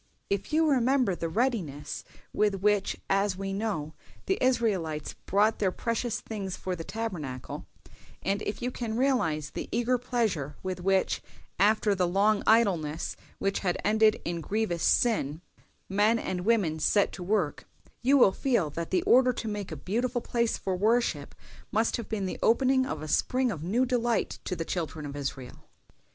"If you remember the readiness with which, as we know, the Israelites brought their precious things for the Tabernacle, and if you can realize the eager pleasure with which, after the long idleness which had ended in grievous sin, men and women set to work, you will feel that the order to make a beautiful place for worship must have been the opening of a spring of new delight to the children of Israel.